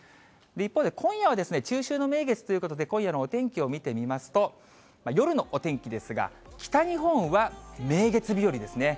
一方で今夜は、中秋の名月ということで、今夜のお天気を見てみますと、夜のお天気ですが、北日本は名月日和ですね。